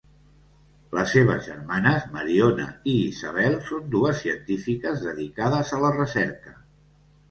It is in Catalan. Les seves germanes Mariona i Isabel són dues científiques dedicades a la recerca.